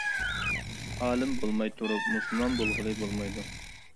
ئالىم بولماي تۇرۇپ مۇسۇلمان بولغىلى بولمايدۇ.